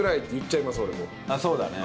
そうだね。